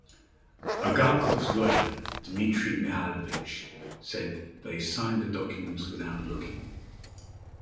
Agarkov's lawyer, Dmitry Mihalevich said - They signed the documents without looking.